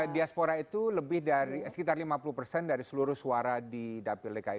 diaspora itu lebih dari sekitar lima puluh persen dari seluruh suara di dapil dki